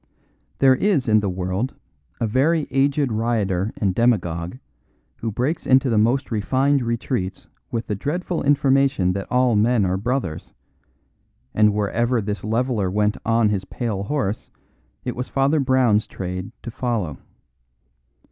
There is in the world a very aged rioter and demagogue who breaks into the most refined retreats with the dreadful information that all men are brothers, and wherever this leveller went on his pale horse it was Father Brown's trade to follow.